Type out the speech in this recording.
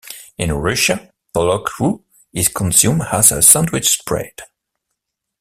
In Russia, pollock roe is consumed as a sandwich spread.